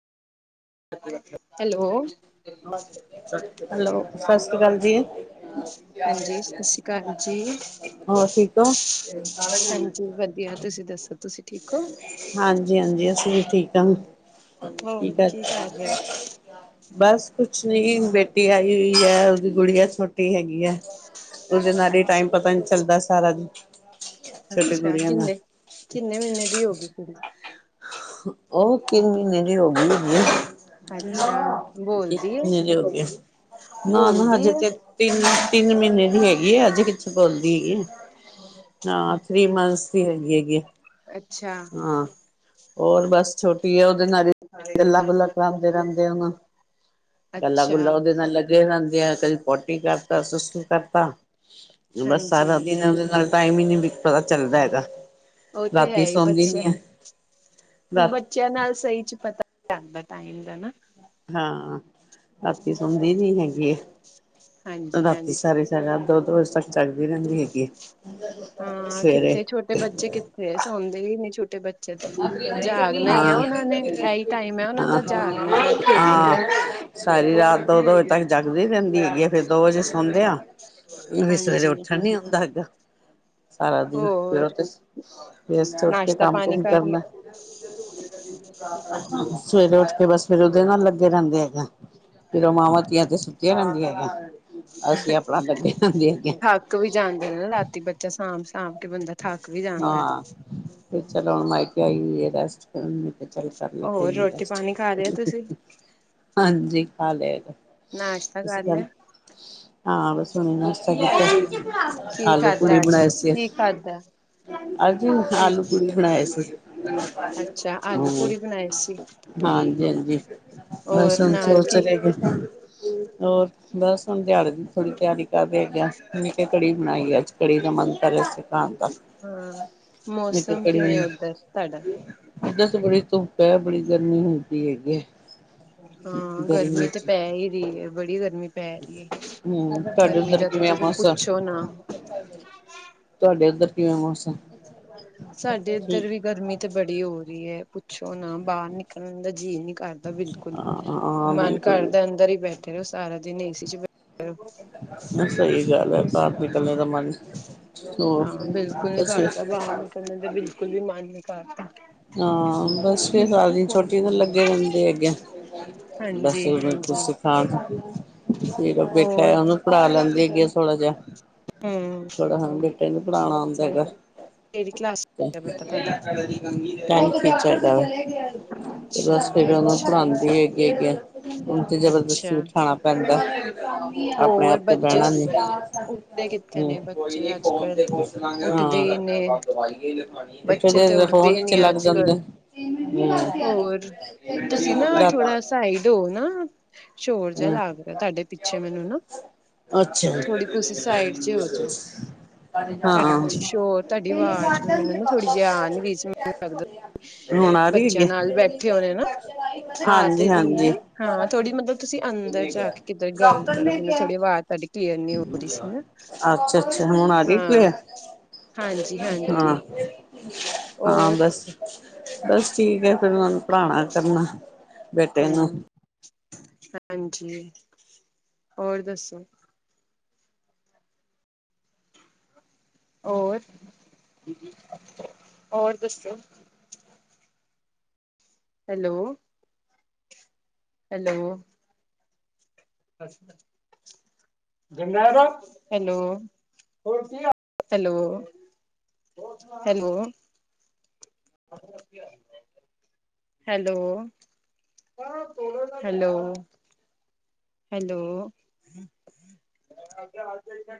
Hello hello ਸਤਿ ਸ੍ਰੀ ਅਕਾਲ ਜੀ ਹਾਂਜੀ, ਸਤਿ ਸ੍ਰੀ ਅਕਾਲ ਜੀ, ਹੋਰ ਠੀਕ ਹੋ ਹਾਂਜੀ ਵਧੀਆ ਵਧੀਆ, ਤੁਸੀਂ ਦੱਸੋ ਤੁਸੀਂ ਠੀਕ ਹੋ? ਹਾਂਜੀ -ਹਾਂਜੀ ਅਸੀਂ ਵੀ ਠੀਕ ਹਾਂ ਹੋਰ ਕੀ ਕਰਦੇ? ਬਸ ਕੁਛ ਨੀ, ਬੇਟੀ ਆਈ ਹੋਈ ਹੈ, ਉਹਦੀ ਗੁੜੀਆ ਛੋਟੀ ਹੈਗੀ ਆ ਉਹਦੇ ਨਾਲ ਹੀ, ਅੱਛਾ ਟਾਈਮ ਪਤਾ ਨੀ ਚੱਲਦਾ ਸਾਰਾ ਦਿਨ ਛੋਟੀ ਅੱਛਾ, ਗੁੜੀਆਂ ਨਾਲ ਕਿੰਨੇ- ਕਿੰਨੇ ਮਹੀਨੇ ਦੀ ਹੋ ਗਈ ਕੁੜੀ ਉਹ, ਤਿੰਨ ਮਹੀਨੇ ਦੀ ਹੋ ਗਈ ਏ ਅੱਛਾ ਤ ਮਹੀਨੇ ਦੇ ਹੋ ਗਈ ਹ [unintelligible] ਨਾ ਨਾ ਹਜੇ ਤੇ, ਤਿੰਨ -ਤਿੰਨ ਮਹੀਨੇ ਦੀ ਹੈਗੀ ਆ, ਅਜੇ ਕਿਥੇ ਬੋਲਦੀ ਹੈਗੀ ਹਾਂ ਥ੍ਰਰੀ ਮੰਥਸ ਦੀ ਹੈਗੀ ਹੈਗੀ ਏ। ਅੱਛਾ। ਹੋਰ ਬਸ ਛੋਟੀ ਐ ਓਦੇ ਨਾਲ ਈ ਗੱਲਾਂ-ਗੁੱਲਾਂ ਕਰਾਂਦੇ ਰੈਂਦੇ ਓ ਨਾ। ਅੱਛਾ ਗੱਲਾ-ਗੁੱੱਲਾ ਓਦੇ ਨਾਲ ਲੱਗੇ ਰੈਂਦੇ ਆ। ਕਦੀ ਪੋਟੀ ਕਰ ਤਾ, ਸੁਸੂ ਕਰ ਤਾ ਬਸ ਹਾਂਜੀ ਸਾਰਾ ਦਿਨ ਐਂਦੇ ਨਾਲ ਟਾਈਮ ਈ ਨੀ ਬੀ ਪਤਾ ਚੱਲਦਾ ਹੈਗਾ। ਉਹ ਤੇ ਹੈ ਰਾਤੀ ਹੀ ਸੌਦੀ ਨੀ ਐ। ਰਾਤ ਚੇਆਂ ਨਾਲ ਸਈ 'ਚ ਪਤਾ ਲਗਦਾ ਟਾਈਮ ਦਾ ਨਾ। ਹਾਂ, ਰਾਤੀ ਸੌਂਦੀ ਨੀ ਹੈਗੀ ਐਂ। ਹਾਂਜੀ ਰਾਤੀ ਹਾਂਜੀ ਸਾਰੇ [unintelligible] ਦੋ-ਦੋ ਵਜੇ ਤੱਕ ਚੱਲਦੀ ਰੈਂਦੀ ਹੈਗੀ ਏ ਸਵੇਰੇ। ਫੇਰ ਸੌਂਦੀ ਹੀ ਨੀ ਛੋਟੇ ਬੱ ਚੇ ਤੇ। ਜਾਗਨਾ ਈ ਆ ਹਾਂ ਓਨਾਂ ਨੇ, ਐਈ ਟਾਈਮ ਐ ਓਨਾਂ ਹਾਂ ਦਾ ਜਾਗਨੇ ਦਾ, ਖੇਲਣ ਹਾਂ ਦਾ। ਸਾਰੀ ਰਾਤ ਦੋ-ਦੋ ਵਜੇ ਤੱਕ ਜਾਗਦੀ ਰੈਂਦ ਵੀ ਹੈਗੀ ਏ। ਫੇਰ ਦੋ ਵਜੇ ਸੌਂਦੇ ਆਂ। ਵੀ ਸਵੇਰੇ ਹਾਂਜੀ ਉੱਠਣ ਨੀ ਹੁੰਦਾ ਹੈਗਾ। ਸਾਰਾ ਦਿਨ ਫਿਰ ਹੋਰ ਓ ਤੇ ਵੀ ਅਸ ਤੇ ਓਠ ਕੇ ਨਾਸ਼ਤਾ ਪਾਣੀ ਕੰਮ-ਕੁਮ ਕਰ ਕਰਨੈ। ਲਿਆ ਸਵੇਰੇ ਉੱਠ ਕੇ ਬਸ ਫੇਰ ਓਦੇ ਨਾਲ ਲੱਗੇ ਰੈਂਦੇ ਹੈਗਾ ਆਂ। ਫੇਰ ਓ ਮਾਵਾਂ ਧੀਆਂ ਤੇ ਸੁੱਤੀਆਂ ਰੈਂਦੀਆਂ ਹੈਗੀਐਂ। ਥੱਕ ਵੀ ਜਾਂਦੇ ਨ ਰਾਤੀ ਬੱਚਾ ਸਾਂਭ-ਸਾਂਭ ਕੇ ਬੰਦਾ ਥੱਕ ਵੀ ਜਾ ਹਾਂ ਤੇ ਚਲੋ ਮਾਈਕੇ ਆਈ ਹੋਈ ਐ ਰੈਸਟ ਨੀ ਤੇ ਚੱਲ ਕਰ ਲੈ ਕੋਈ ਹੋਰ ਨੀ ਰੋਟੀ ਰੈਸਟ ਪਾਣੀ ਖਾ ਲਿਆ ਤੁਸੀਂ [unintelligible] ਹਾਂਜੀ ਖਾ ਲੇਆ ਹੈਗਾ। ਨਾਸ਼ਤਾ ਤੁਸੀ ਕਰ ਖਾ ਲੇਆ? ਲਿਆ ਹਾਂ ਬਸ ਹੁਨ ਆਸਤੇ [unintelligible] ਆਲੂ ਪੂੜੀ ਬਣਾਏ ਸੀ। ਖਾਦੈ। ਅੱਜ ਮੈਂ ਆਲੂ ਪੁੜੀ ਬਣਾਏ ਸੀ। ਅੱਛਾ ਆਲੂ ਹੂੰ। ਪੂੜੀ ਬਣਾਈ ਸੀ ਹਾਂਜੀ-ਹਾਂਜੀ ਬਸ ਹੋਰ ਹੁਣ ਨਾਲ ਸੋਚ ਕੀ ਰਏ ਕ ਹੋਰ ਬਸ ਹੁਣ ਦਿਆੜੇ ਦੀ ਥੋੜੀ ਤਿਆਰੀ ਦੇਖਦੇ ਆਂ ਕੇ ਕੜੀ ਬਣਾਈ ਐ ਅੱਜ, ਕੜੀ ਦਾ ਮੰਨ ਕਰ ਰਿਆ ਸੀ। ਖਾਣ ਦਾ ਹੂੰ, ਮੈਂ ਕਿਹਾ ਮੌਸਮ ਕੜੀ ਕਿਵੇਂ ਐ ਬਣਾ ਓਧਰ ਤਾਡਾ? ਏਧਰ ਤੇ ਬੜੀ ਧੁੱਪ ਐ, ਬੜੀ ਗਰਮੀ ਹੁੰਦੀ ਹੈਗੀ ਏ। ਹਾਂ ਗਰਮੀ ਏੱਥੇ ਪੈ ਈ ਰੀ ਏ। ਬੜੀ ਗਰਮੀ ਪੈ ਰੀ ਏ। ਹੂੰ ਤੁਹਾਡੇ ਗਰਮੀ ਏਦਾ ਤੇ ਤੁਸੀ ਪੁੱਛੋ ਨਾ। ਤੁਆਡੇ ਓਧਰ ਕਿਵੇਂ ਮੌਸ ਸਾਡੇ ਏਧਰ ਵੀ ਗਰਮੀ ਤੇ ਬੜੀ ਹੋ ਰੀ ਏ। ਪੁੱਛੋ ਨਾ ਬਾਹਰ ਨਿਕਲਣ ਦਾ ਜੀਅ ਨੀ ਕਰਦਾ ਬਿਲਕੁਲ ਹਾਂ ਹਾਂ ਮਨ ਬਿਲਕੁਲ ਕਰਦਾ ਅੰਦਰ ਈ ਬੈ ਫੇਰ ਓ ਸਾਰਾ ਦਿਨ ਏ ਸੀ 'ਚ ਬੈ ਸਈ ਗੱਲ ਐ ਬਾਰ ਨਿਕਲਨੇ ਦਾ ਮਨ, ਹੋ ਕੁਛ [unintelligible] ਤੇ ਬਿਲਕੁਲ ਵੀ ਮਨ ਨੀ ਕਰਤਾ। ਹਾਂ ਬਸ ਫੇਰ [unintelligible] ਛੋਟੀ ਨੂੰ ਲੱਗੇ ਰੈਂਦੇ ਹੈਗੇ ਐਂ। ਬਸ ਹਾਂਜੀ ਓ ਮੇਕੋ ਹਾਂਜੀ ਸਖਾਨ ਮੇਰਾ ਬੇਟਾ ਹੋਰ ਐ ਓਨੂੰ ਪੜ੍ਹਾ ਲੈਂਦੀ ਹੈਗੇ ਆ ਥੋੜਾ ਜੇਆ। ਹਮ ਥੋੜਾ ਹੁਣ ਬੇਟੇ ਨੂੰ ਪੜਾਨ ਆਂਦਾ ਹੈਗੈ। ਕਿਹੜੀ ਕਲਾਸ ਚ ਬੇਟਾ ਤੁਹਾਡਾ ਟੈਂਥ ਏੱਚ ਹੈਗਾ ਵੈ। ਅੱਛਾ ਬਸ ਫਿਰ ਓਨਾ ਨੂੰ ਅੱਛਾ ਪੜਾਂਦੀ ਹੈਗੀ ਪੀ ਆਂ। ਉਨ ਤੇ ਜਬਰਦਸਤੀ ਅੱਛਾ ਬਿਠਾਣਾ ਪੈਂਦੈ। ਆਪਣੇ ਆਪ ਹੋਰ ਤੇ ਬੱਚੇ ਬੈਨਾ ਨੀ। ਉੱਠਦੇ ਕਿੱਥੇ ਹੂੰ। ਨੇ ਕੋਈ ਨੀ ਬੱਚੇ ਅੱਜ ਫੋਨ ਕੱਲ ਤੇ ਪੁੱਛ ਲਾਂਗੇ ਹੁਣ ਉੱਠਦੇ ਕੀ ਹੀ ਕਰਨੈ। ਨੇ ਆਪਾਂ ਦਵਾਈ ਏਯੋਈ ਲਿਖਾਣੀ ਏ। ਬੱਚੇ ਤਾਂ ਉੱਠਦੇ ਨੀ ਆ ਅੱਜਕੱਲ੍ਹ [inaudible] ਹੋਰ, ਤੁਸੀਂ ਨਾ ਥੋੜਾ, ਸਾਈਡ ਹੋ ਨਾ। ਸ਼ੋਰ ਜਿਹਾ ਹੂੰ ਲੱਗ ਰਿਆ, ਤੁਹਾਡੇ ਪਿੱਛੇ ਮੈਨੂੰ ਨਾ ਅੱਛਾ ਥੋੜੀ ਤੁਸੀਂ ਸਾਈਡ ਚ ਹੋਜੋ। ਤੁਹਾਡੇ ਹਾਂ ਪਿੱਛੇ ਸ਼ੋਰ, ਤੁਹਾਡੀ ਆਵਾਜ਼ ਮੈਨੂੰ ਨਾ ਥੋੜੀ ਜੀ ਆ ਨੀ ਰਹੀ ਸੀ। ਮੈਨੂੰ ਲੱਗਦਾ ਹੁਣ ਆ ਰਹੀ ਬੱਚੇਆਂ ਨਾਲ ਹੈਗੀ ਬੈਠੇ ਹੋਣੇ ਨਾ, ਆਹ ਹਾਂਜੀ ਤੇ ਰਹੀ। ਹਾਂਜੀ ਹਾਂ, ਥੋੜ੍ਹੀ ਮਤਲਬ ਤੁਸੀਂ ਅੰਦਰ ਜਾ ਕੇ ਕਿੱਧਰ ਗੱਲ ਕਰੋ, ਮੈਨੂੰ ਥੋੜੀ ਆਵਾਜ਼ ਤੁਆਡੀ ਕਲੀਅਰ ਨੀ ਹੋ ਰਹੀ ਸੀ ਨਾ, ਅੱਛਾ ਅੱਛਾ ਹੁਣ ਆ ਗਈ ਹਾਂ ਕਲੀਅਰ ਹਾਂ ਹਾਂਜੀ-ਹਾਂਜੀ। ਹਾਂ, ਬਸ ਬਸ ਠੀਕ ਹੈ, ਫੇਰ ਓਨਾ ਨੂੰ ਪੜ੍ਹਾਣਾ ਕਰਨਾ। ਬੇਟੇ ਨੂੰ ਹੂੰ, ਹਾਂਜੀ ਹੋਰ ਦੱਸੋ? ਹੋਰ, ਹੋਰ ਦੱਸੋ? Hello. Hello. [inaudible] Hello hello. Hello. Hello, hello hello.